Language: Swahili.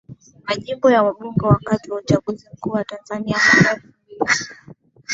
Majimbo ya wabunge Wakati wa uchaguzi mkuu wa Tanzania mwaka elfu mbili na tano